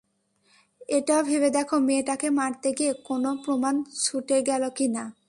এটাও ভেবে দেখো, মেয়েটাকে মারতে গিয়ে কোনো প্রমান ছুটে গেল কিনা?